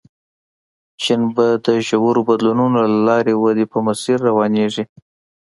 چین به د ژورو بدلونونو له لارې ودې په مسیر روانېږي.